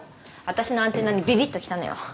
私のアンテナにびびっときたのよ。